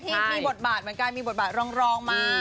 ที่มีบทบาทเหมือนกันมีบทบาทรองมา